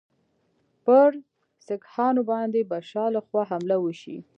پر سیکهانو باندي به شا له خوا حمله وشي.